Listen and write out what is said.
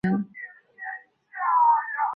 户川达安原宇喜多氏家臣。